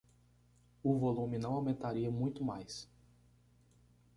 O volume não aumentaria muito mais.